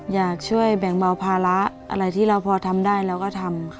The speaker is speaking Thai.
อยากช่วยแบ่งเบาภาระอะไรที่เราพอทำได้เราก็ทำค่ะ